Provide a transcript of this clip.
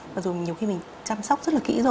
mặc dù nhiều khi mình chăm sóc rất là kỹ rồi